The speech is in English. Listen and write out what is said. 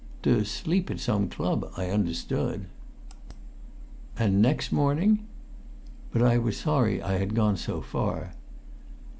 "To sleep at some club, I understood." "And next morning?" But I was sorry I had gone so far.